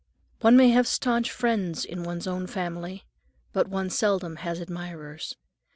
One may have staunch friends in one's own family, but one seldom has admirers.